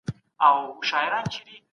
په مجلس کي بحثونه څنګه پیلیږي؟